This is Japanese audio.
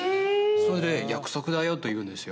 それで約束だよと言うんですよ